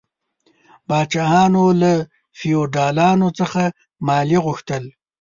پاچاهانو له فیوډالانو څخه مالیه غوښتل.